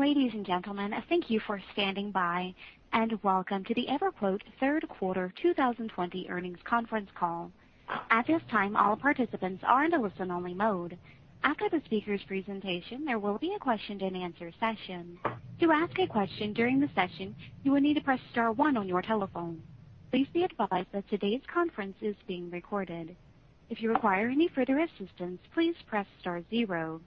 Ladies and gentlemen, thank you for standing by, and welcome to the EverQuote Third Quarter 2020 Earnings Conference Call. At this time, all participants are in a listen-only mode. After the speakers' presentation, there will be a question-and-answer session. To ask a question during the session, you will need to press star one on your telephone. Please be advised that today's conference is being recorded. If you require any further assistance, please press star zero.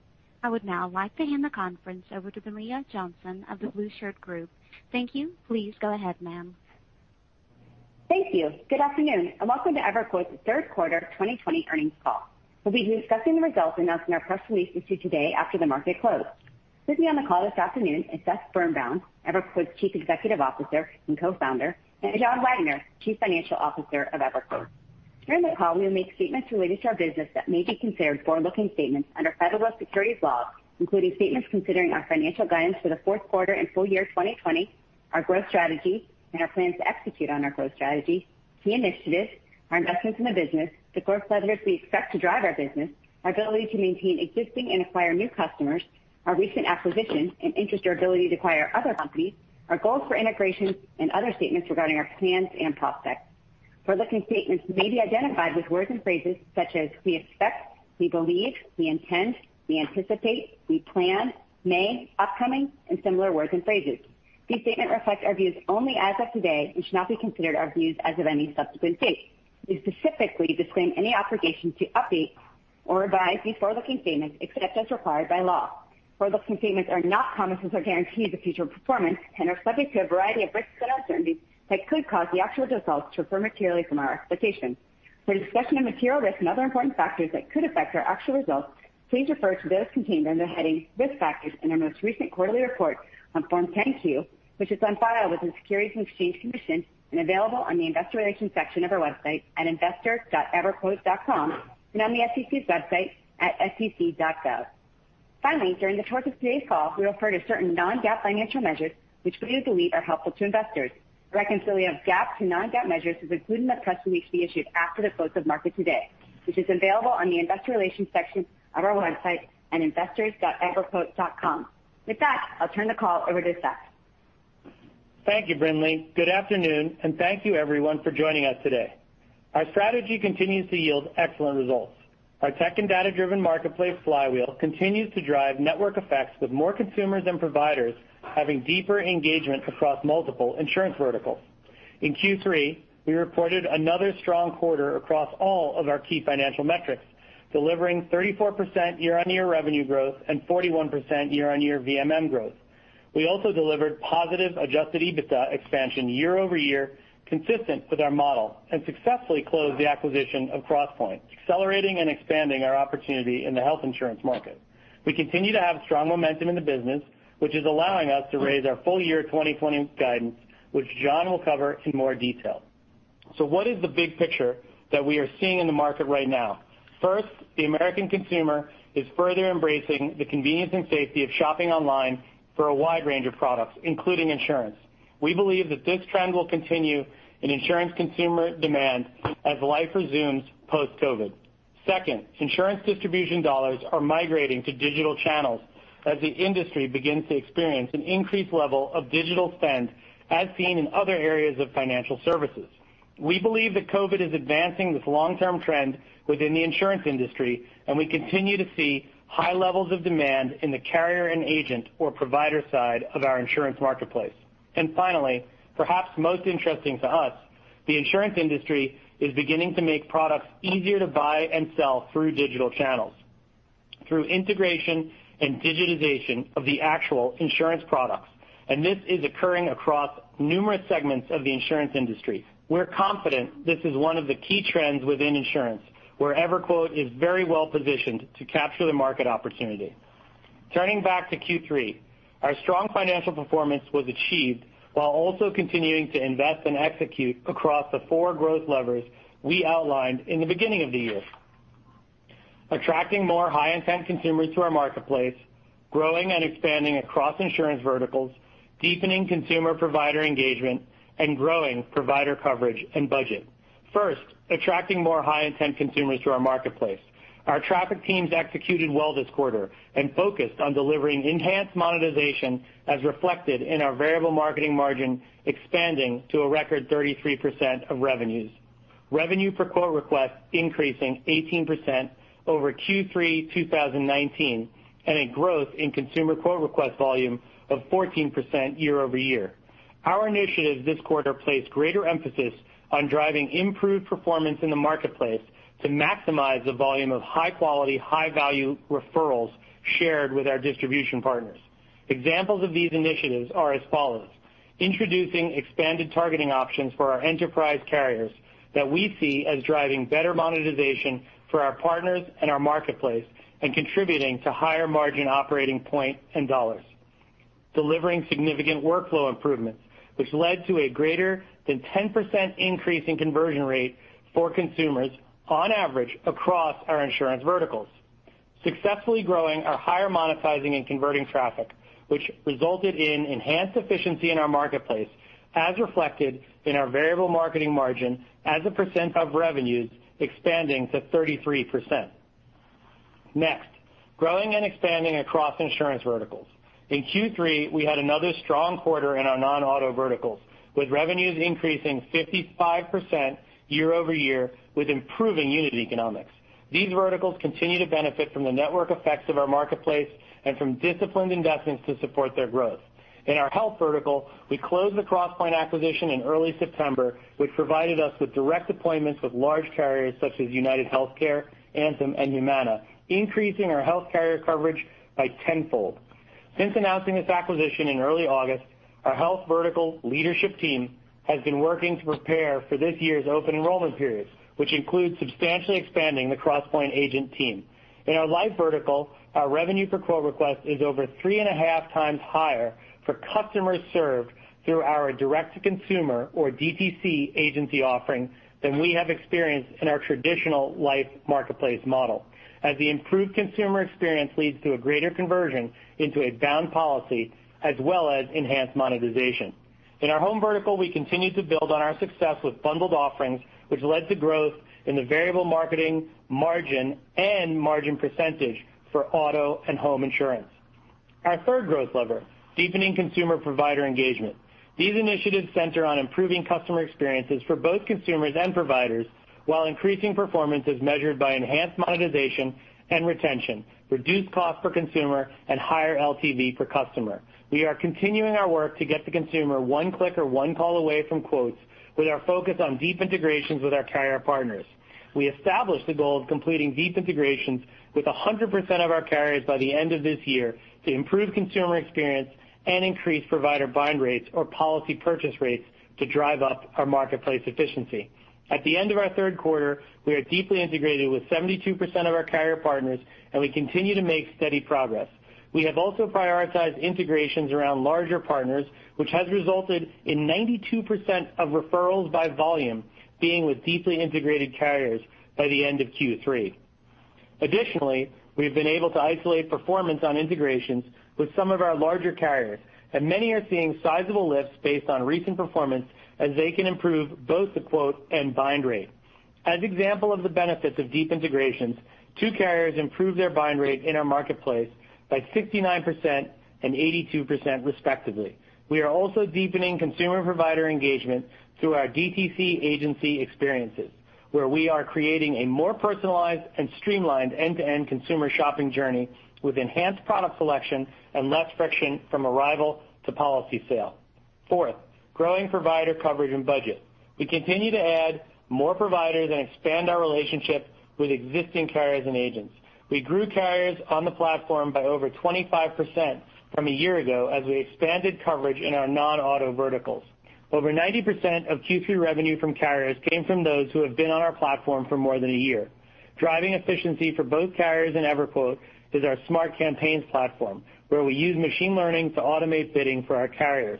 I would now like to hand the conference over to Brinlea Johnson of The Blueshirt Group. Thank you. Please go ahead, ma'am. Thank you. Good afternoon, and welcome to EverQuote's Third Quarter 2020 Earnings Call. We'll be discussing the results announced in our press release issued today after the market closed. With me on the call this afternoon is Seth Birnbaum, EverQuote's Chief Executive Officer and Co-founder, and John Wagner, Chief Financial Officer of EverQuote. During the call, we may make statements related to our business that may be considered forward-looking statements under federal securities laws, including statements considering our financial guidance for the fourth quarter and full year 2020, our growth strategy, and our plans to execute on our growth strategy, key initiatives, our investments in the business, the growth levers we expect to drive our business, our ability to maintain existing and acquire new customers, our recent acquisition and interest or ability to acquire other companies, our goals for integrations, and other statements regarding our plans and prospects. Forward-looking statements may be identified with words and phrases such as we expect, we believe, we intend, we anticipate, we plan, may, upcoming, and similar words and phrases. These statements reflect our views only as of today and should not be considered our views as of any subsequent date. We specifically disclaim any obligation to update or revise these forward-looking statements except as required by law. Forward-looking statements are not promises or guarantees of future performance and are subject to a variety of risks and uncertainties that could cause the actual results to differ materially from our expectations. For a discussion of material risks and other important factors that could affect our actual results, please refer to those contained under the heading Risk Factors in our most recent quarterly report on Form 10-Q, which is on file with the Securities and Exchange Commission and available on the investor relations section of our website at investor.everquote.com, and on the SEC's website at sec.gov. Finally, during the course of today's call, we refer to certain non-GAAP financial measures which we believe are helpful to investors. A reconciliation of GAAP to non-GAAP measures is included in the press release to be issued after the close of market today, which is available on the investor relations section of our website at investors.everquote.com. With that, I'll turn the call over to Seth. Thank you, Brinlea. Good afternoon, and thank you everyone for joining us today. Our strategy continues to yield excellent results. Our tech and data-driven marketplace flywheel continues to drive network effects with more consumers and providers having deeper engagement across multiple insurance verticals. In Q3, we reported another strong quarter across all of our key financial metrics, delivering 34% year-on-year revenue growth and 41% year-on-year VMM growth. We also delivered positive adjusted EBITDA expansion year-over-year consistent with our model and successfully closed the acquisition of Crosspointe, accelerating and expanding our opportunity in the health insurance market. We continue to have strong momentum in the business, which is allowing us to raise our full year 2020 guidance, which John will cover in more detail. What is the big picture that we are seeing in the market right now? First, the American consumer is further embracing the convenience and safety of shopping online for a wide range of products, including insurance. We believe that this trend will continue in insurance consumer demand as life resumes post-COVID. Second, insurance distribution dollars are migrating to digital channels as the industry begins to experience an increased level of digital spend as seen in other areas of financial services. We believe that COVID is advancing this long-term trend within the insurance industry, and we continue to see high levels of demand in the carrier and agent or provider side of our insurance marketplace. Finally, perhaps most interesting to us, the insurance industry is beginning to make products easier to buy and sell through digital channels through integration and digitization of the actual insurance products, and this is occurring across numerous segments of the insurance industry. We're confident this is one of the key trends within insurance, where EverQuote is very well-positioned to capture the market opportunity. Turning back to Q3, our strong financial performance was achieved while also continuing to invest and execute across the four growth levers we outlined in the beginning of the year. Attracting more high-intent consumers to our marketplace, growing and expanding across insurance verticals, deepening consumer provider engagement, and growing provider coverage and budget. First, attracting more high-intent consumers to our marketplace. Our traffic teams executed well this quarter and focused on delivering enhanced monetization as reflected in our variable marketing margin expanding to a record 33% of revenues. Revenue per quote request increasing 18% over Q3 2019, and a growth in consumer quote request volume of 14% year-over-year. Our initiatives this quarter placed greater emphasis on driving improved performance in the marketplace to maximize the volume of high quality, high value referrals shared with our distribution partners. Examples of these initiatives are as follows. Introducing expanded targeting options for our enterprise carriers that we see as driving better monetization for our partners and our marketplace and contributing to higher margin operating point and dollars. Delivering significant workflow improvements, which led to a greater than 10% increase in conversion rate for consumers on average across our insurance verticals. Successfully growing our higher monetizing and converting traffic, which resulted in enhanced efficiency in our marketplace as reflected in our variable marketing margin as a % of revenues expanding to 33%. Next, growing and expanding across insurance verticals. In Q3, we had another strong quarter in our non-auto verticals, with revenues increasing 55% year-over-year with improving unit economics. These verticals continue to benefit from the network effects of our marketplace and from disciplined investments to support their growth. In our health vertical, we closed the Crosspointe acquisition in early September, which provided us with direct appointments with large carriers such as UnitedHealthcare, Anthem, and Humana, increasing our health carrier coverage by tenfold. Since announcing this acquisition in early August, our health vertical leadership team has been working to prepare for this year's open enrollment period, which includes substantially expanding the Crosspointe agent team. In our life vertical, our revenue per quote request is over three and a half times higher for customers served through our direct-to-consumer, or DTC, agency offering than we have experienced in our traditional life marketplace model, as the improved consumer experience leads to a greater conversion into a bound policy as well as enhanced monetization. In our home vertical, we continue to build on our success with bundled offerings, which led to growth in the variable marketing margin and margin percentage for auto and home insurance. Our third growth lever, deepening consumer provider engagement. These initiatives center on improving customer experiences for both consumers and providers while increasing performance as measured by enhanced monetization and retention, reduced cost per consumer, and higher LTV per customer. We are continuing our work to get the consumer one click or one call away from quotes with our focus on deep integrations with our carrier partners. We established the goal of completing deep integrations with 100% of our carriers by the end of this year to improve consumer experience and increase provider bind rates or policy purchase rates to drive up our marketplace efficiency. At the end of our third quarter, we are deeply integrated with 72% of our carrier partners, and we continue to make steady progress. We have also prioritized integrations around larger partners, which has resulted in 92% of referrals by volume being with deeply integrated carriers by the end of Q3. Additionally, we have been able to isolate performance on integrations with some of our larger carriers, and many are seeing sizable lifts based on recent performance as they can improve both the quote and bind rate. As example of the benefits of deep integrations, two carriers improved their bind rate in our marketplace by 69% and 82% respectively. We are also deepening consumer provider engagement through our DTC agency experiences, where we are creating a more personalized and streamlined end-to-end consumer shopping journey with enhanced product selection and less friction from arrival to policy sale. Fourth, growing provider coverage and budget. We continue to add more providers and expand our relationship with existing carriers and agents. We grew carriers on the platform by over 25% from a year ago as we expanded coverage in our non-auto verticals. Over 90% of Q3 revenue from carriers came from those who have been on our platform for more than a year. Driving efficiency for both carriers and EverQuote is our Smart Campaigns platform, where we use machine learning to automate bidding for our carriers.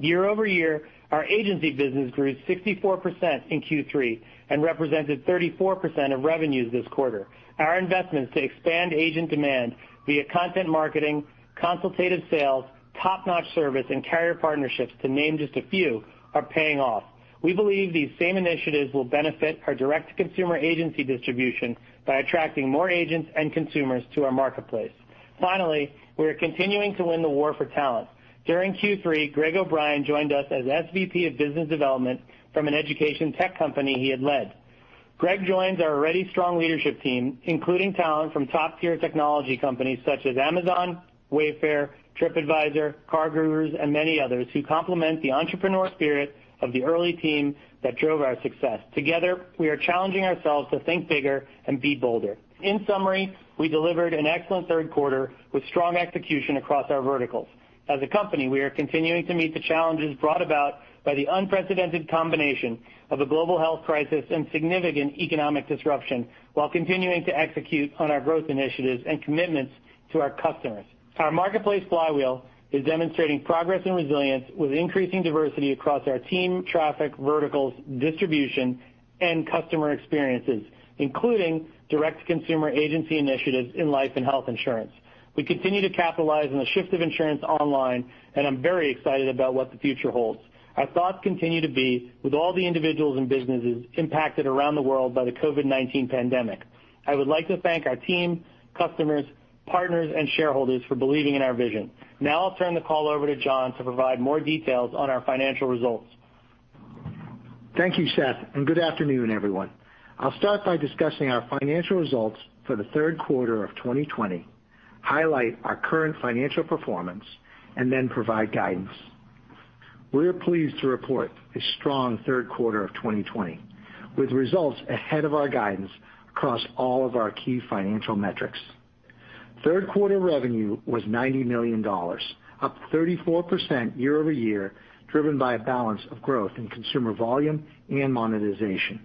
Year-over-year, our agency business grew 64% in Q3 and represented 34% of revenues this quarter. Our investments to expand agent demand via content marketing, consultative sales, top-notch service, and carrier partnerships, to name just a few, are paying off. We believe these same initiatives will benefit our direct-to-consumer agency distribution by attracting more agents and consumers to our marketplace. Finally, we are continuing to win the war for talent. During Q3, Greg O'Brien joined us as SVP of Business Development from an education tech company he had led. Greg joins our already strong leadership team, including talent from top-tier technology companies such as Amazon, Wayfair, TripAdvisor, CarGurus, and many others who complement the entrepreneurial spirit of the early team that drove our success. Together, we are challenging ourselves to think bigger and be bolder. In summary, we delivered an excellent third quarter with strong execution across our verticals. As a company, we are continuing to meet the challenges brought about by the unprecedented combination of a global health crisis and significant economic disruption while continuing to execute on our growth initiatives and commitments to our customers. Our marketplace flywheel is demonstrating progress and resilience with increasing diversity across our team, traffic, verticals, distribution, and customer experiences, including direct-to-consumer agency initiatives in life and health insurance. We continue to capitalize on the shift of insurance online, and I'm very excited about what the future holds. Our thoughts continue to be with all the individuals and businesses impacted around the world by the COVID-19 pandemic. I would like to thank our team, customers, partners, and shareholders for believing in our vision. Now I'll turn the call over to John to provide more details on our financial results. Thank you, Seth, and good afternoon, everyone. I'll start by discussing our financial results for the third quarter of 2020, highlight our current financial performance, and then provide guidance. We are pleased to report a strong third quarter of 2020, with results ahead of our guidance across all of our key financial metrics. Third quarter revenue was $90 million, up 34% year-over-year, driven by a balance of growth in consumer volume and monetization.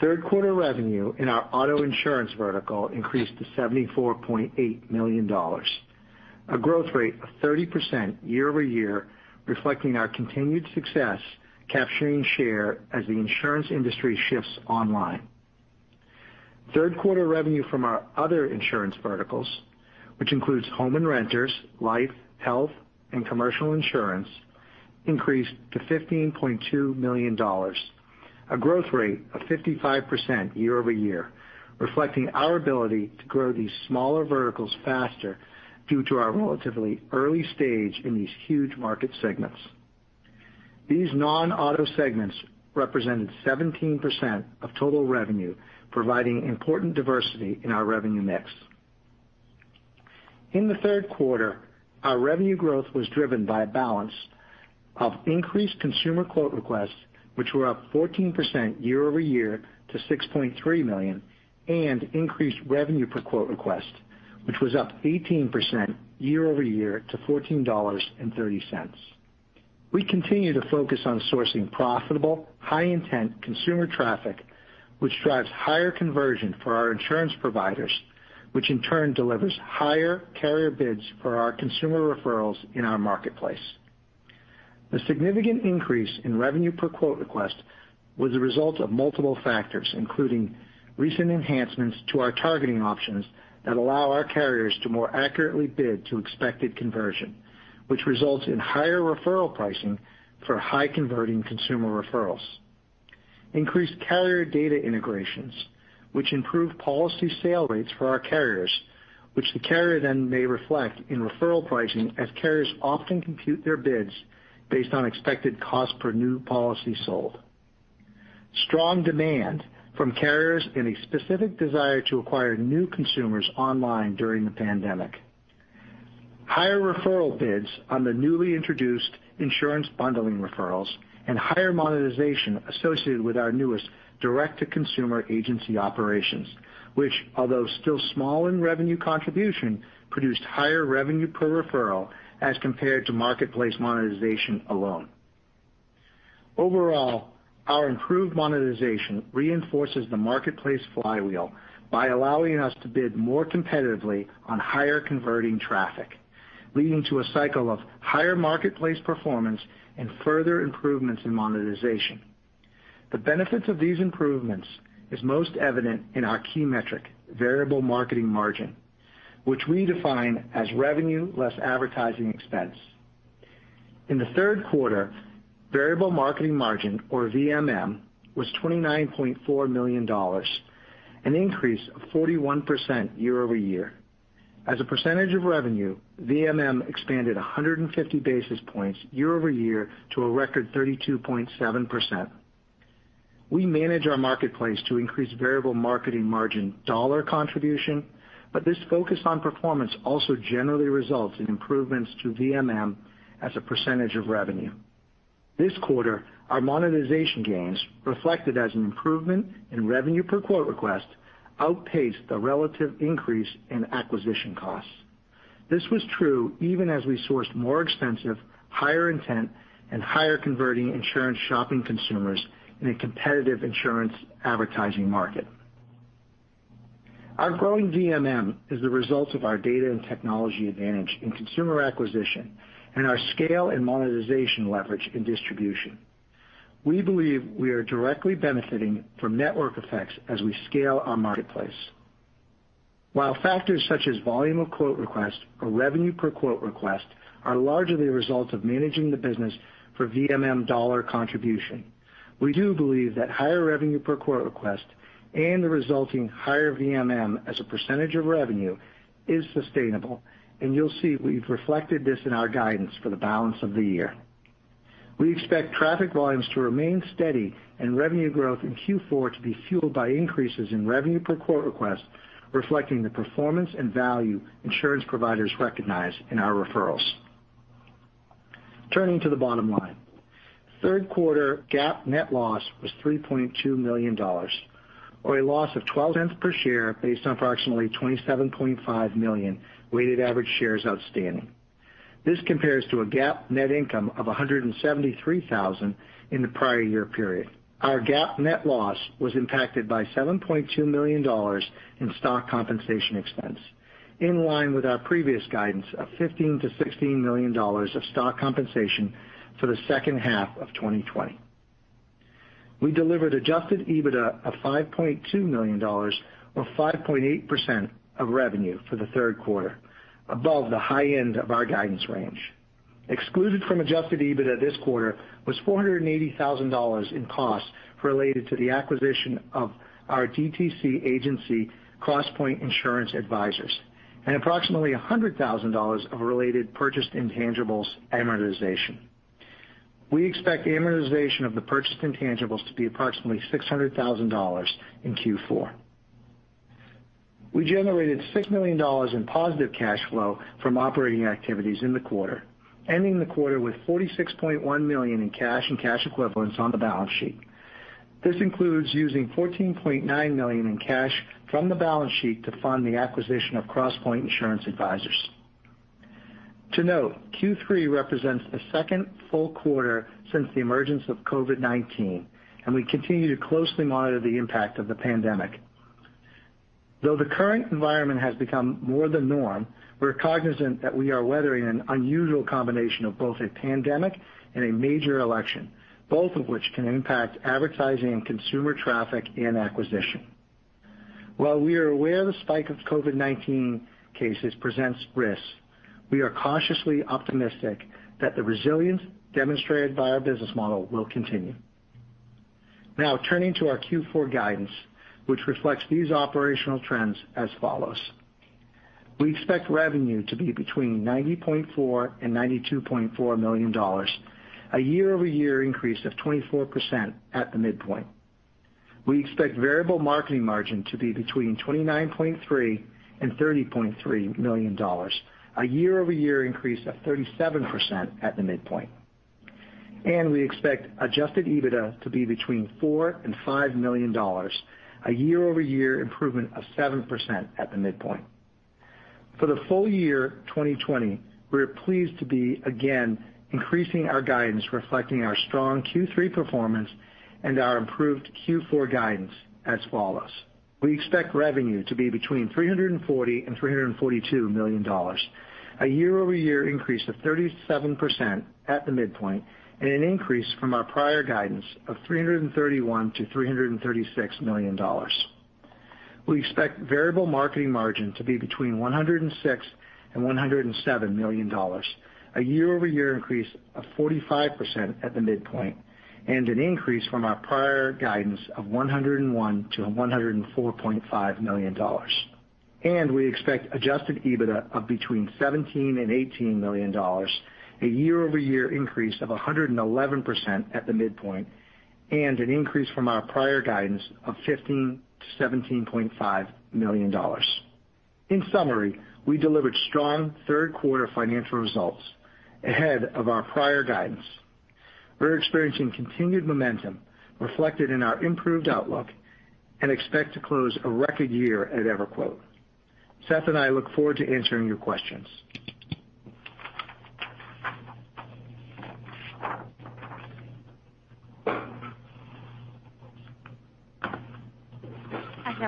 Third quarter revenue in our auto insurance vertical increased to $74.8 million, a growth rate of 30% year-over-year, reflecting our continued success capturing share as the insurance industry shifts online. Third quarter revenue from our other insurance verticals, which includes home and renters, life, health, and commercial insurance increased to $15.2 million, a growth rate of 55% year-over-year, reflecting our ability to grow these smaller verticals faster due to our relatively early stage in these huge market segments. These non-auto segments represented 17% of total revenue, providing important diversity in our revenue mix. In the third quarter, our revenue growth was driven by a balance of increased consumer quote requests, which were up 14% year-over-year to 6.3 million, and increased revenue per quote request, which was up 18% year-over-year to $14.30. We continue to focus on sourcing profitable, high-intent consumer traffic, which drives higher conversion for our insurance providers, which in turn delivers higher carrier bids for our consumer referrals in our marketplace. The significant increase in revenue per quote request was a result of multiple factors, including recent enhancements to our targeting options that allow our carriers to more accurately bid to expected conversion, which results in higher referral pricing for high converting consumer referrals. Increased carrier data integrations, which improve policy sale rates for our carriers, which the carrier then may reflect in referral pricing as carriers often compute their bids based on expected cost per new policy sold. Strong demand from carriers and a specific desire to acquire new consumers online during the pandemic. Higher referral bids on the newly introduced insurance bundling referrals and higher monetization associated with our newest direct-to-consumer agency operations, which although still small in revenue contribution, produced higher revenue per referral as compared to marketplace monetization alone. Overall, our improved monetization reinforces the marketplace flywheel by allowing us to bid more competitively on higher converting traffic, leading to a cycle of higher marketplace performance and further improvements in monetization. The benefits of these improvements is most evident in our key metric, variable marketing margin, which we define as revenue less advertising expense. In the third quarter, variable marketing margin, or VMM, was $29.4 million, an increase of 41% year-over-year. As a percentage of revenue, VMM expanded 150 basis points year-over-year to a record 32.7%. We manage our marketplace to increase variable marketing margin dollar contribution, but this focus on performance also generally results in improvements to VMM as a percentage of revenue. This quarter, our monetization gains reflected as an improvement in revenue per quote request outpaced the relative increase in acquisition costs. This was true even as we sourced more expensive, higher intent, and higher converting insurance shopping consumers in a competitive insurance advertising market. Our growing VMM is the result of our data and technology advantage in consumer acquisition and our scale and monetization leverage in distribution. We believe we are directly benefiting from network effects as we scale our marketplace. While factors such as volume of quote requests or revenue per quote request are largely a result of managing the business for VMM dollar contribution, we do believe that higher revenue per quote request and the resulting higher VMM as a percentage of revenue is sustainable. You'll see we've reflected this in our guidance for the balance of the year. We expect traffic volumes to remain steady and revenue growth in Q4 to be fueled by increases in revenue per quote request, reflecting the performance and value insurance providers recognize in our referrals. Turning to the bottom line. Third quarter GAAP net loss was $3.2 million, or a loss of $0.12 per share based on approximately 27.5 million weighted average shares outstanding. This compares to a GAAP net income of $173,000 in the prior year period. Our GAAP net loss was impacted by $7.2 million in stock compensation expense, in line with our previous guidance of $15 million-$16 million of stock compensation for the second half of 2020. We delivered adjusted EBITDA of $5.2 million or 5.8% of revenue for the third quarter, above the high end of our guidance range. Excluded from adjusted EBITDA this quarter was $480,000 in costs related to the acquisition of our DTC agency, Crosspointe Insurance & Financial Services, and approximately $100,000 of related purchased intangibles amortization. We expect amortization of the purchased intangibles to be approximately $600,000 in Q4. We generated $6 million in positive cash flow from operating activities in the quarter, ending the quarter with $46.1 million in cash and cash equivalents on the balance sheet. This includes using $14.9 million in cash from the balance sheet to fund the acquisition of Crosspointe Insurance & Financial Services. To note, Q3 represents the second full quarter since the emergence of COVID-19, and we continue to closely monitor the impact of the pandemic. Though the current environment has become more the norm, we're cognizant that we are weathering an unusual combination of both a pandemic and a major election, both of which can impact advertising and consumer traffic and acquisition. While we are aware the spike of COVID-19 cases presents risks, we are cautiously optimistic that the resilience demonstrated by our business model will continue. Turning to our Q4 guidance, which reflects these operational trends as follows. We expect revenue to be between $90.4 million and $92.4 million, a year-over-year increase of 24% at the midpoint. We expect variable marketing margin to be between $29.3 million and $30.3 million, a year-over-year increase of 37% at the midpoint. We expect adjusted EBITDA to be between $4 million and $5 million, a year-over-year improvement of 7% at the midpoint. For the full year 2020, we are pleased to be, again, increasing our guidance reflecting our strong Q3 performance and our improved Q4 guidance as follows. We expect revenue to be between $340 million and $342 million, a year-over-year increase of 37% at the midpoint, and an increase from our prior guidance of $331 million-$336 million. We expect variable marketing margin to be between $106 million and $107 million, a year-over-year increase of 45% at the midpoint, and an increase from our prior guidance of $101 million-$104.5 million. We expect adjusted EBITDA of between $17 million and $18 million, a year-over-year increase of 111% at the midpoint, and an increase from our prior guidance of $15 million to $17.5 million. In summary, we delivered strong third quarter financial results ahead of our prior guidance. We're experiencing continued momentum reflected in our improved outlook and expect to close a record year at EverQuote. Seth and I look forward to answering your questions.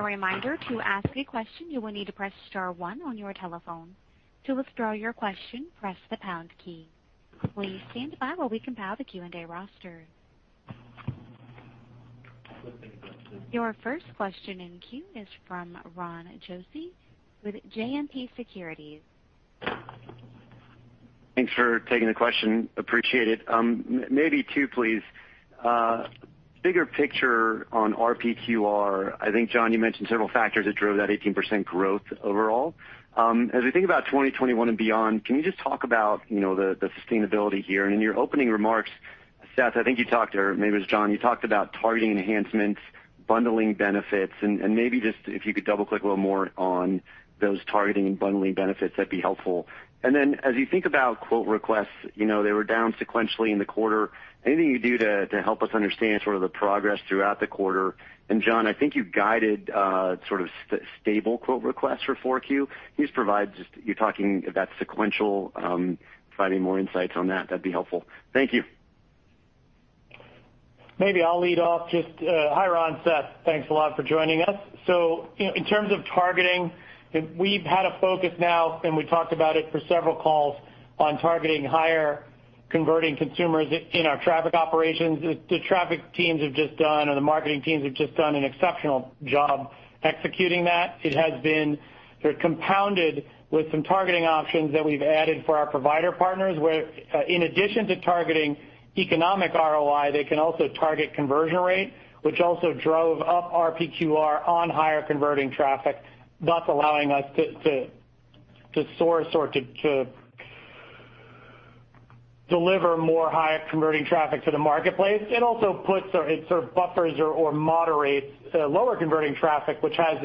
As a reminder, to ask a question, you will need to press star one on your telephone. To withdraw your question, press the pound key. Please stand by while we compile the Q&A roster. Your first question in queue is from Ron Josey with JMP Securities. Thanks for taking the question, appreciate it. Maybe two, please. Bigger picture on RPQR, I think, John, you mentioned several factors that drove that 18% growth overall. As we think about 2021 and beyond, can you just talk about the sustainability here? In your opening remarks, Seth, I think you talked, or maybe it was John, you talked about targeting enhancements, bundling benefits, and maybe just if you could double-click a little more on those targeting and bundling benefits, that'd be helpful. As you think about quote requests, they were down sequentially in the quarter. Anything you can do to help us understand sort of the progress throughout the quarter. John, I think you guided sort of stable quote requests for 4Q. Can you just provide, you talking about sequential, finding more insights on that? That'd be helpful. Thank you. Maybe I'll lead off. Just, hi, Ron, Seth. Thanks a lot for joining us. In terms of targeting, we've had a focus now, and we talked about it for several calls, on targeting higher-converting consumers in our traffic operations. The traffic teams and the marketing teams have just done an exceptional job executing that. It has been sort of compounded with some targeting options that we've added for our provider partners, where in addition to targeting economic ROI, they can also target conversion rate, which also drove up RPQR on higher-converting traffic, thus allowing us to source or to deliver more higher-converting traffic to the marketplace. It also sort of buffers or moderates lower-converting traffic, which has,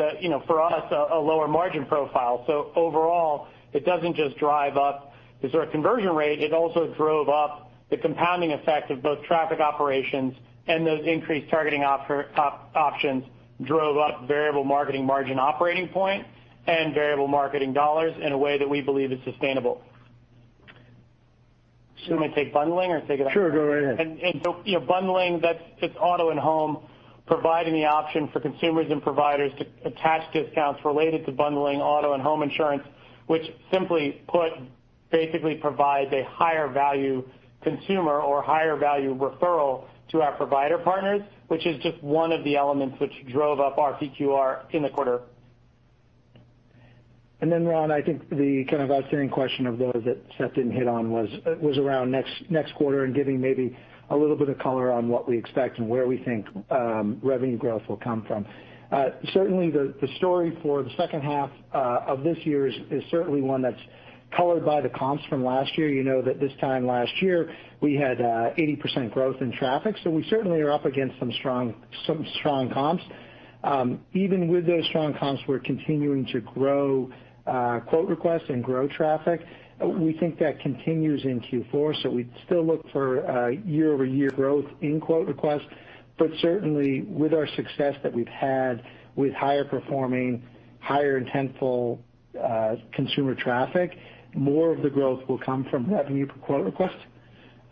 for us, a lower margin profile. Overall, it doesn't just drive up the sort of conversion rate, it also drove up the compounding effect of both traffic operations and those increased targeting options drove up variable marketing margin operating point and variable marketing dollars in a way that we believe is sustainable. Do you want me to take bundling or Sure, go right ahead. Bundling, that's just auto and home providing the option for consumers and providers to attach discounts related to bundling auto and home insurance, which simply put, basically provides a higher value consumer or higher value referral to our provider partners, which is just one of the elements which drove up RPQR in the quarter. Then Ron, I think the kind of outstanding question of those that Seth didn't hit on was around next quarter and giving maybe a little bit of color on what we expect and where we think revenue growth will come from. Certainly, the story for the second half of this year is certainly one that's colored by the comps from last year. You know that this time last year, we had 80% growth in traffic, so we certainly are up against some strong comps. Even with those strong comps, we're continuing to grow quote requests and grow traffic. We think that continues in Q4, so we still look for year-over-year growth in quote requests. Certainly with our success that we've had with higher performing, higher intentful consumer traffic, more of the growth will come from revenue per quote request.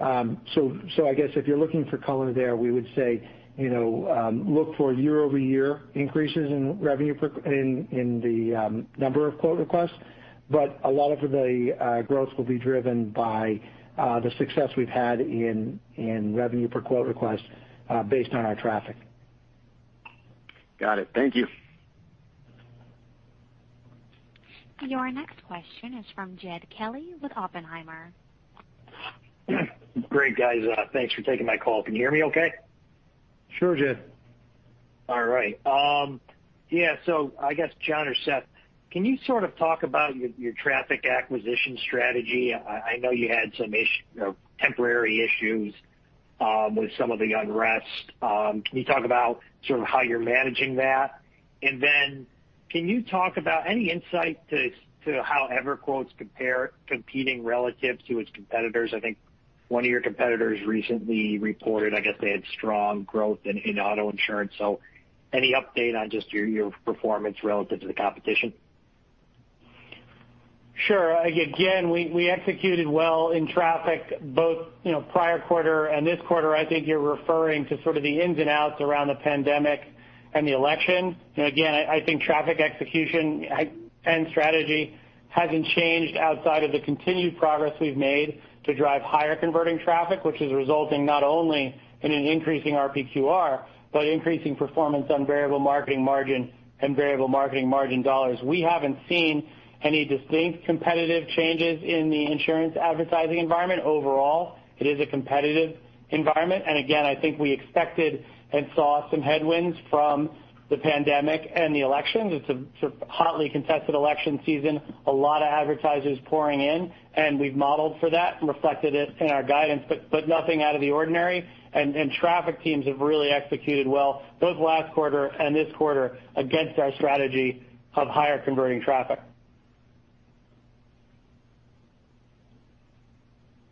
I guess if you're looking for color there, we would say look for year-over-year increases in revenue in the number of quote requests. A lot of the growth will be driven by the success we've had in revenue per quote request based on our traffic. Got it. Thank you. Your next question is from Jed Kelly with Oppenheimer. Great, guys. Thanks for taking my call. Can you hear me okay? Sure, Jed. All right. Yeah. I guess, John or Seth, can you sort of talk about your traffic acquisition strategy? I know you had some temporary issues with some of the unrest. Can you talk about how you're managing that? Can you talk about any insight to how EverQuote compare competing relative to its competitors? I think one of your competitors recently reported, I guess, they had strong growth in auto insurance. Any update on just your performance relative to the competition? Sure. Again, we executed well in traffic both prior quarter and this quarter. I think you're referring to sort of the ins and outs around the pandemic and the election. Again, I think traffic execution and strategy hasn't changed outside of the continued progress we've made to drive higher converting traffic, which is resulting not only in an increasing RPQR, but increasing performance on variable marketing margin and variable marketing margin dollars. We haven't seen any distinct competitive changes in the insurance advertising environment. Overall, it is a competitive environment, and again, I think we expected and saw some headwinds from the pandemic and the elections. It's a hotly contested election season, a lot of advertisers pouring in, and we've modeled for that and reflected it in our guidance, but nothing out of the ordinary. Traffic teams have really executed well, both last quarter and this quarter, against our strategy of higher converting traffic.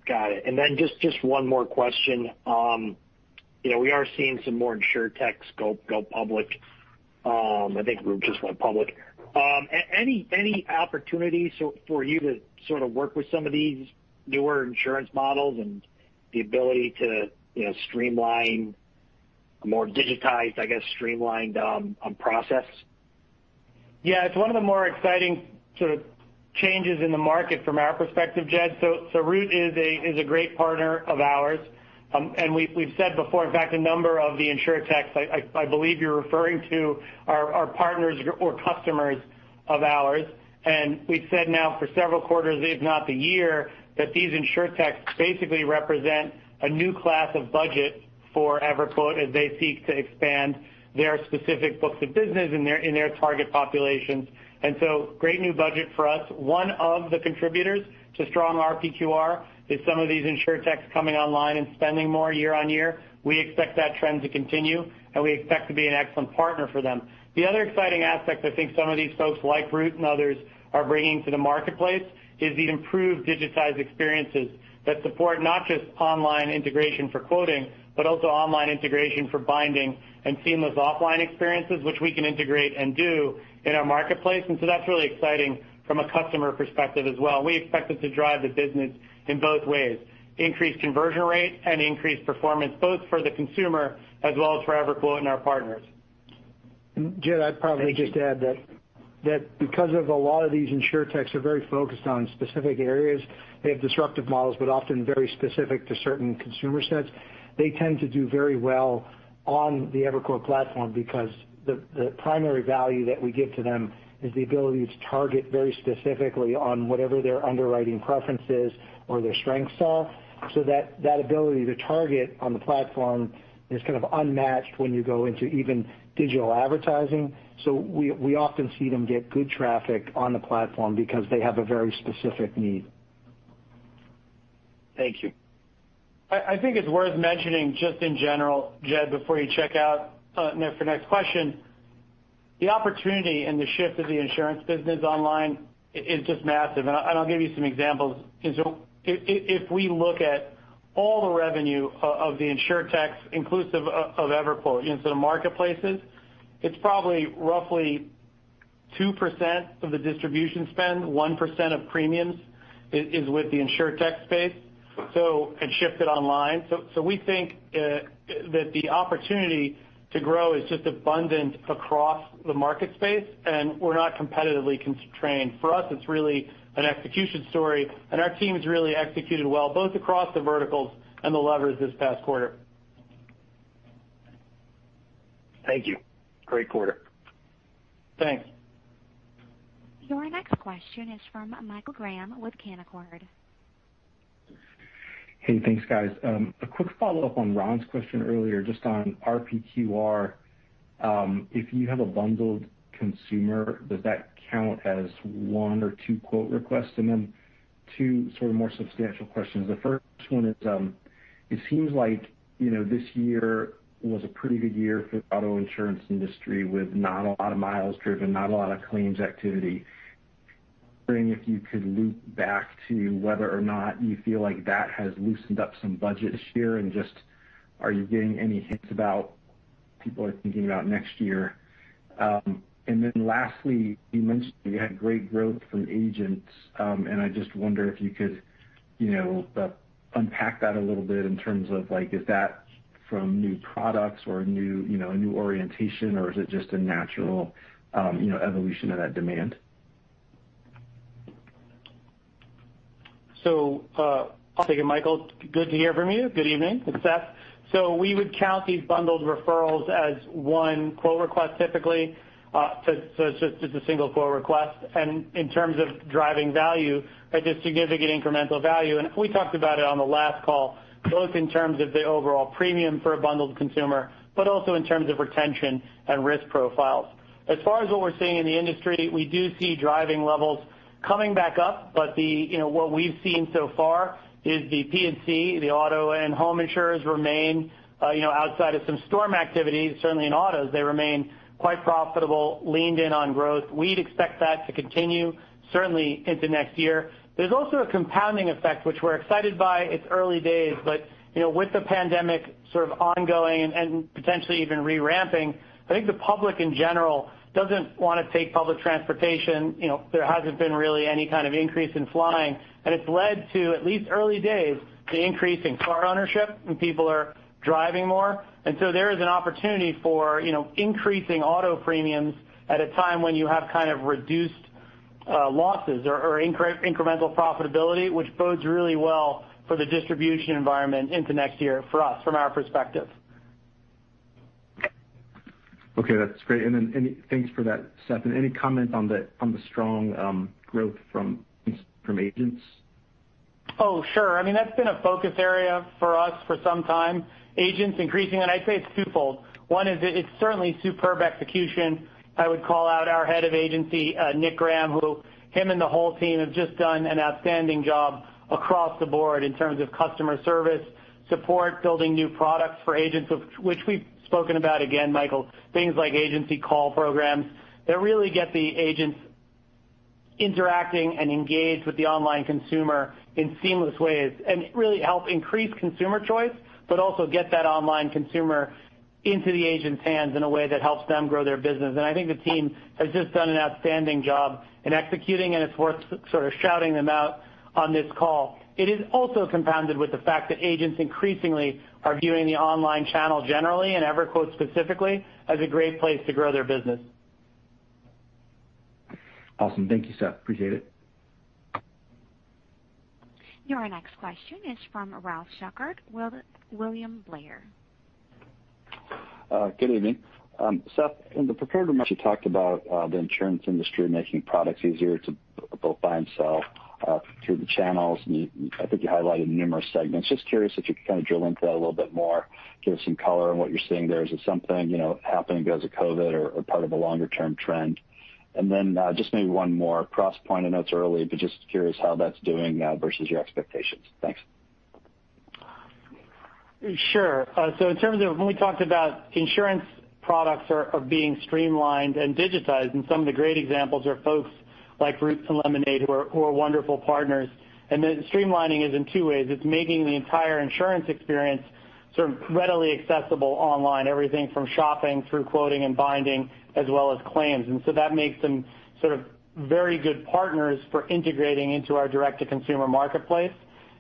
Got it. Then just one more question. We are seeing some more insurtechs go public. I think Root just went public. Any opportunities for you to sort of work with some of these newer insurance models and the ability to streamline a more digitized, I guess, streamlined process? Yeah. It's one of the more exciting sort of changes in the market from our perspective, Jed. Root is a great partner of ours. We've said before, in fact, a number of the insurtechs I believe you're referring to are partners or customers of ours. We've said now for several quarters, if not the year, that these insurtechs basically represent a new class of budget for EverQuote as they seek to expand their specific books of business in their target populations. Great new budget for us. One of the contributors to strong RPQR is some of these insurtechs coming online and spending more year on year. We expect that trend to continue, and we expect to be an excellent partner for them. The other exciting aspect I think some of these folks like Root and others are bringing to the marketplace is the improved digitized experiences that support not just online integration for quoting, but also online integration for binding and seamless offline experiences, which we can integrate and do in our marketplace. That's really exciting from a customer perspective as well. We expect it to drive the business in both ways, increased conversion rate and increased performance, both for the consumer as well as for EverQuote and our partners. Jed, I'd probably just add that because of a lot of these insurtechs are very focused on specific areas, they have disruptive models, but often very specific to certain consumer sets. They tend to do very well on the EverQuote platform because the primary value that we give to them is the ability to target very specifically on whatever their underwriting preference is or their strengths are. That ability to target on the platform is kind of unmatched when you go into even digital advertising. We often see them get good traffic on the platform because they have a very specific need. Thank you. I think it's worth mentioning just in general, Jed, before you check out for the next question, the opportunity and the shift of the insurance business online is just massive, and I'll give you some examples. If we look at all the revenue of the insurtechs inclusive of EverQuote into the marketplaces, it's probably roughly 2% of the distribution spend, 1% of premiums is with the insurtech space, so it shifted online. We think that the opportunity to grow is just abundant across the market space, and we're not competitively constrained. For us, it's really an execution story, and our team has really executed well, both across the verticals and the levers this past quarter. Thank you. Great quarter. Thanks. Your next question is from Michael Graham with Canaccord. Hey, thanks, guys. A quick follow-up on Ron's question earlier, just on RPQR. If you have a bundled consumer, does that count as one or two quote requests? Then two sort of more substantial questions. The first one is, it seems like this year was a pretty good year for the auto insurance industry with not a lot of miles driven, not a lot of claims activity. Wondering if you could loop back to whether or not you feel like that has loosened up some budget this year, and just are you getting any hints about what people are thinking about next year? Lastly, you mentioned you had great growth from agents, and I just wonder if you could unpack that a little bit in terms of, is that from new products or a new orientation, or is it just a natural evolution of that demand? I'll take it, Michael. Good to hear from you. Good evening. It's Seth. We would count these bundled referrals as one quote request, typically. It's just a single quote request. In terms of driving value, at a significant incremental value, we talked about it on the last call, both in terms of the overall premium for a bundled consumer, but also in terms of retention and risk profiles. As far as what we're seeing in the industry, we do see driving levels coming back up, but what we've seen so far is the P&C, the auto and home insurers remain, outside of some storm activities, certainly in autos, they remain quite profitable, leaned in on growth. We'd expect that to continue, certainly into next year. There's also a compounding effect, which we're excited by. It's early days, with the pandemic sort of ongoing and potentially even re-ramping, I think the public in general doesn't want to take public transportation. There hasn't been really any kind of increase in flying, it's led to, at least early days, the increase in car ownership and people are driving more. There is an opportunity for increasing auto premiums at a time when you have kind of reduced losses or incremental profitability, which bodes really well for the distribution environment into next year for us, from our perspective. Okay, that's great. Thanks for that, Seth, and any comment on the strong growth from agents? Oh, sure. I mean, that's been a focus area for us for some time. Agents increasing, and I'd say it's twofold. One is it's certainly superb execution. I would call out our head of agency, Nick Graham, who him and the whole team have just done an outstanding job across the board in terms of customer service, support, building new products for agents, which we've spoken about, again, Michael, things like agency call programs that really get the agents interacting and engaged with the online consumer in seamless ways, and really help increase consumer choice, but also get that online consumer into the agent's hands in a way that helps them grow their business. I think the team has just done an outstanding job in executing, and it's worth sort of shouting them out on this call. It is also compounded with the fact that agents increasingly are viewing the online channel generally, and EverQuote specifically, as a great place to grow their business. Awesome. Thank you, Seth. Appreciate it. Your next question is from Ralph Schackart, William Blair. Good evening. Seth, in the prepared remarks, you talked about the insurance industry making products easier to both buy and sell through the channels. I think you highlighted numerous segments. Just curious if you could kind of drill into that a little bit more, give us some color on what you're seeing there. Is it something happening because of COVID or part of a longer-term trend? Just maybe one more. Crosspointe I know it's early, just curious how that's doing versus your expectations. Thanks. Sure. In terms of when we talked about insurance products are being streamlined and digitized, and some of the great examples are folks like Root and Lemonade, who are wonderful partners. The streamlining is in two ways. It's making the entire insurance experience sort of readily accessible online, everything from shopping through quoting and binding, as well as claims. That makes them sort of very good partners for integrating into our direct-to-consumer marketplace.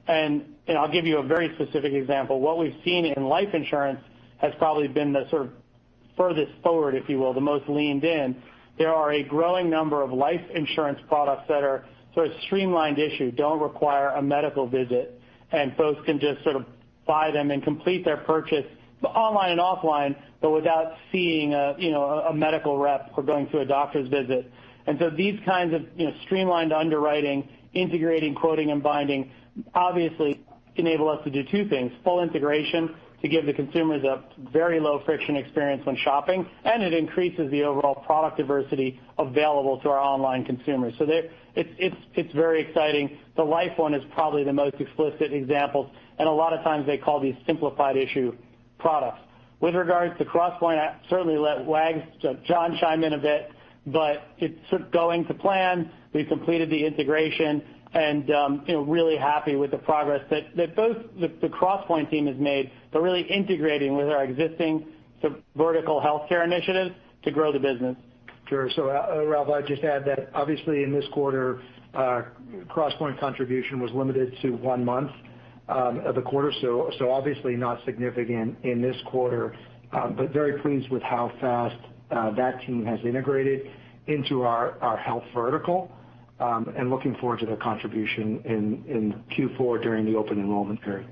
I'll give you a very specific example. What we've seen in life insurance has probably been the sort of furthest forward, if you will, the most leaned in. There are a growing number of life insurance products that are sort of streamlined issue, don't require a medical visit, and folks can just sort of buy them and complete their purchase online and offline, but without seeing a medical rep or going through a doctor's visit. These kinds of streamlined underwriting, integrating, quoting, and binding obviously enable us to do two things, full integration to give the consumers a very low-friction experience when shopping, and it increases the overall product diversity available to our online consumers. It's very exciting. The life one is probably the most explicit example, and a lot of times they call these simplified issue products. With regards to Crosspointe, I certainly let Wags, John chime in a bit, but it's going to plan. We've completed the integration and really happy with the progress that both the Crosspointe team has made, but really integrating with our existing vertical healthcare initiatives to grow the business. Sure. Ralph, I'd just add that obviously in this quarter, Crosspointe contribution was limited to one month of the quarter, so obviously not significant in this quarter. Very pleased with how fast that team has integrated into our health vertical, and looking forward to their contribution in Q4 during the open enrollment period.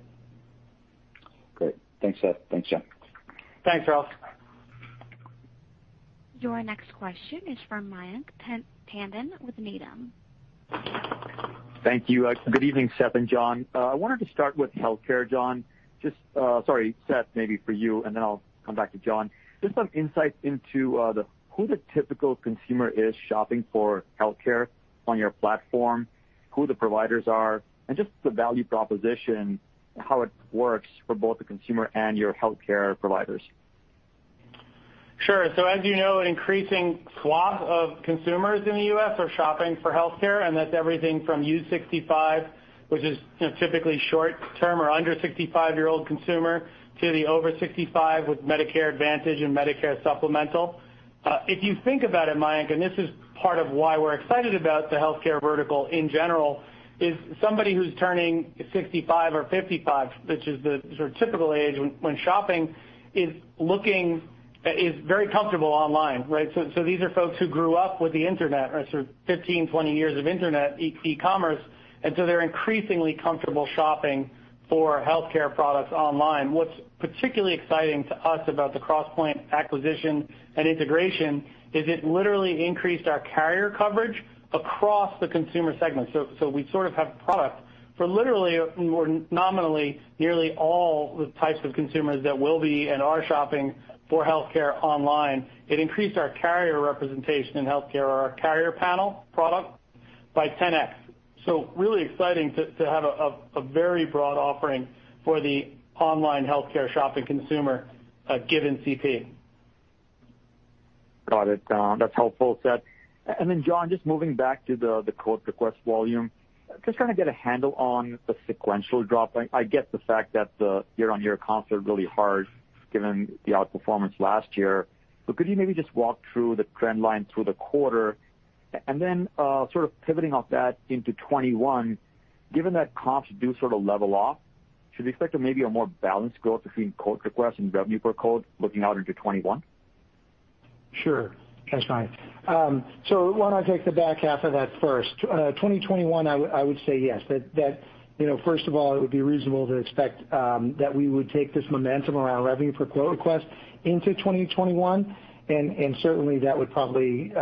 Great. Thanks, Seth. Thanks, John. Thanks, Ralph. Your next question is from Mayank Tandon with Needham. Thank you. Good evening, Seth and John. I wanted to start with healthcare, John. Just, sorry, Seth, maybe for you, and then I'll come back to John. Just some insights into who the typical consumer is shopping for healthcare on your platform, who the providers are, and just the value proposition, how it works for both the consumer and your healthcare providers. Sure. As you know, increasing swaths of consumers in the U.S. are shopping for healthcare, and that's everything from U65, which is typically short-term or under 65-year-old consumer, to the over 65 with Medicare Advantage and Medicare Supplemental. If you think about it, Mayank, and this is part of why we're excited about the healthcare vertical in general, is somebody who's turning 65 or 55, which is the sort of typical age when shopping, is very comfortable online, right? These are folks who grew up with the internet. Sort of 15, 20 years of internet e-commerce, and so they're increasingly comfortable shopping for healthcare products online. What's particularly exciting to us about the Crosspointe acquisition and integration is it literally increased our carrier coverage across the consumer segment. We sort of have product for literally, nominally, nearly all the types of consumers that will be and are shopping for healthcare online. It increased our carrier representation in healthcare, our carrier panel product, by 10X. Really exciting to have a very broad offering for the online healthcare shopping consumer, given CP. Got it. That's helpful, Seth. John, just moving back to the quote request volume. Just trying to get a handle on the sequential drop. I get the fact that the year-on-year comps are really hard given the outperformance last year, but could you maybe just walk through the trend line through the quarter? Sort of pivoting off that into 2021, given that comps do sort of level off, should we expect maybe a more balanced growth between quote requests and revenue per quote looking out into 2021? Sure. Thanks, Mayank. Why don't I take the back half of that first? 2021, I would say yes. That first of all, it would be reasonable to expect that we would take this momentum around revenue per quote request into 2021, and certainly that would probably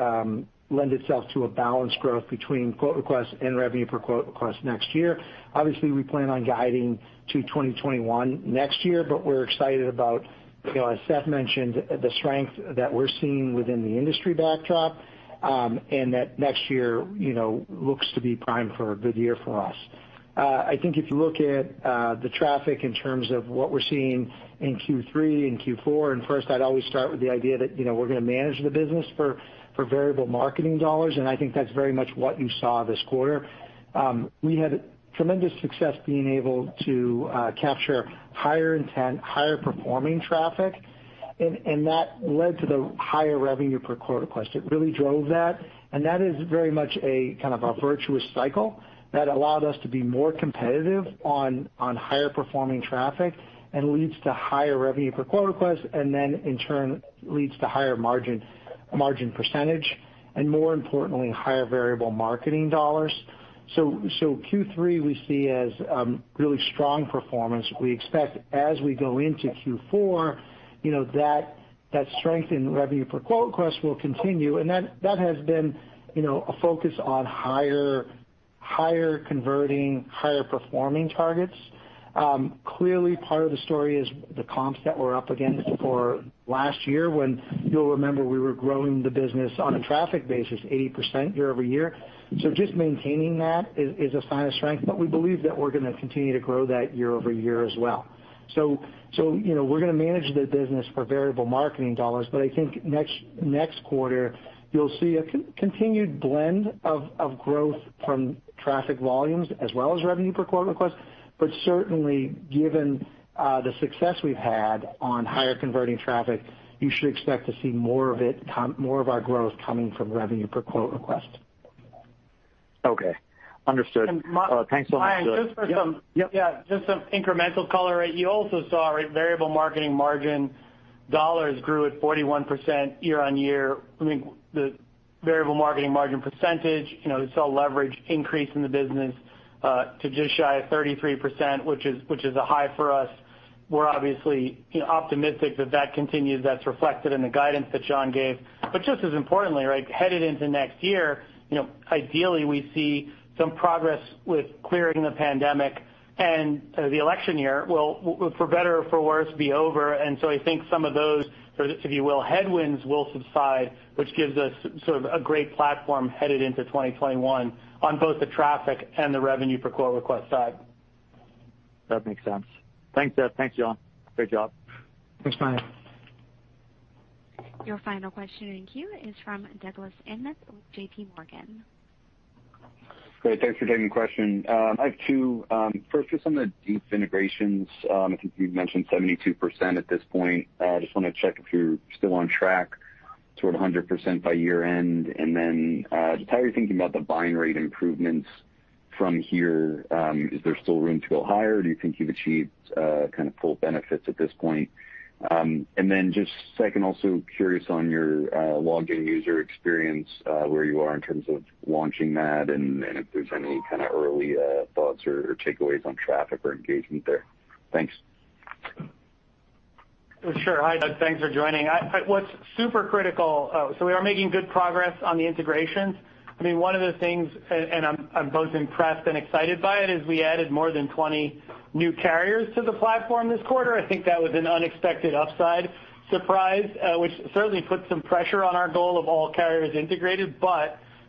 lend itself to a balanced growth between quote requests and revenue per quote request next year. Obviously, we plan on guiding to 2021 next year, but we're excited about, as Seth mentioned, the strength that we're seeing within the industry backdrop, and that next year looks to be primed for a good year for us. I think if you look at the traffic in terms of what we're seeing in Q3 and Q4, and first, I'd always start with the idea that we're going to manage the business for variable marketing dollars, and I think that's very much what you saw this quarter. We had tremendous success being able to capture higher intent, higher performing traffic, and that led to the higher revenue per quote request. It really drove that, and that is very much a kind of a virtuous cycle that allowed us to be more competitive on higher performing traffic and leads to higher revenue per quote request, and then in turn leads to higher margin percentage and more importantly, higher variable marketing dollars. Q3 we see as really strong performance. We expect as we go into Q4, that strength in revenue per quote request will continue, and that has been a focus on higher converting, higher performing targets. Clearly part of the story is the comps that were up against for last year when you'll remember we were growing the business on a traffic basis 80% year-over-year. Just maintaining that is a sign of strength, but we believe that we're going to continue to grow that year-over-year as well. We're going to manage the business for variable marketing dollars, but I think next quarter you'll see a continued blend of growth from traffic volumes as well as revenue per quote request. Certainly, given the success we've had on higher converting traffic, you should expect to see more of our growth coming from revenue per quote request. Okay. Understood. Thanks so much. Mayank, just for. Yep. Yeah, just some incremental color. You also saw variable marketing margin dollars grew at 41% year-over-year. I think the variable marketing margin percentage, you saw leverage increase in the business to just shy of 33%, which is a high for us. We're obviously optimistic that that continues. That's reflected in the guidance that John gave. Just as importantly, headed into next year, ideally we see some progress with clearing the pandemic, and the election year will, for better or for worse, be over. So I think some of those, if you will, headwinds will subside, which gives us sort of a great platform headed into 2021 on both the traffic and the revenue per quote request side. That makes sense. Thanks, Seth, thanks, John. Great job. Thanks, Mayank. Your final question in queue is from Douglas Anmuth with JPMorgan. Great. Thanks for taking the question. I have two. First, just on the deep integrations, I think you mentioned 72% at this point. Just want to check if you're still on track toward 100% by year end. Just how are you thinking about the bind rate improvements from here? Is there still room to go higher? Do you think you've achieved kind of full benefits at this point? Also curious on your login user experience, where you are in terms of launching that and if there's any kind of early thoughts or takeaways on traffic or engagement there. Thanks. Sure. Hi, Doug. Thanks for joining. We are making good progress on the integrations. One of the things, and I'm both impressed and excited by it, is we added more than 20 new carriers to the platform this quarter. I think that was an unexpected upside surprise, which certainly put some pressure on our goal of all carriers integrated.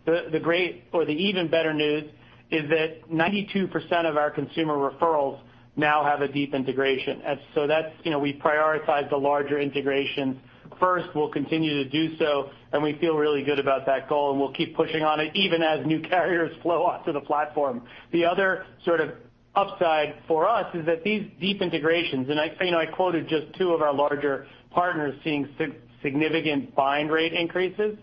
The great or the even better news is that 92% of our consumer referrals now have a deep integration. We prioritize the larger integrations first. We'll continue to do so, and we feel really good about that goal, and we'll keep pushing on it even as new carriers flow onto the platform. The other sort of upside for us is that these deep integrations, and I quoted just two of our larger partners seeing significant bind rate increases.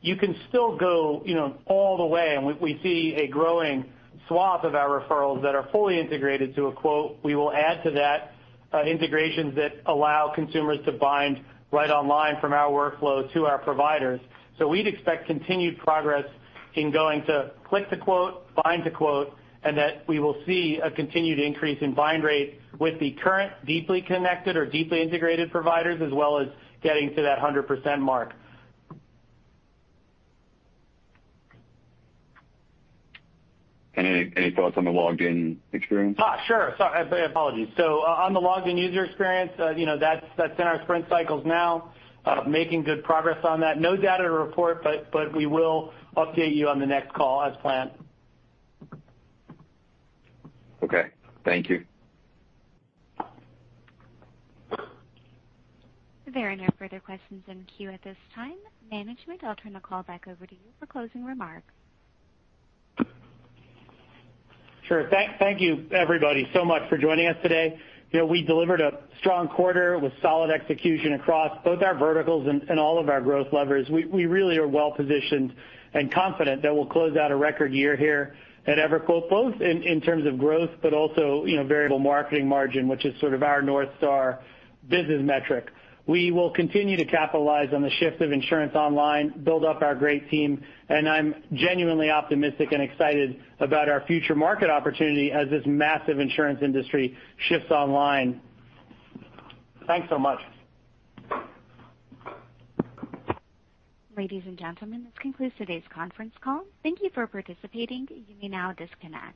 You can still go all the way. We see a growing swath of our referrals that are fully integrated to a quote. We will add to that integrations that allow consumers to bind right online from our workflow to our providers. We'd expect continued progress in going to click-to-quote, bind-to-quote, and that we will see a continued increase in bind rate with the current deeply connected or deeply integrated providers, as well as getting to that 100% mark. Any thoughts on the logged-in experience? Sure. Sorry, apologies. On the logged-in user experience that's in our sprint cycles now. Making good progress on that. No data to report, but we will update you on the next call as planned. Okay. Thank you. There are no further questions in queue at this time. Management, I'll turn the call back over to you for closing remarks. Sure. Thank you everybody so much for joining us today. We delivered a strong quarter with solid execution across both our verticals and all of our growth levers. We really are well positioned and confident that we'll close out a record year here at EverQuote, both in terms of growth but also variable marketing margin, which is sort of our north star business metric. We will continue to capitalize on the shift of insurance online, build up our great team, and I'm genuinely optimistic and excited about our future market opportunity as this massive insurance industry shifts online. Thanks so much. Ladies and gentlemen, this concludes today's conference call. Thank you for participating. You may now disconnect.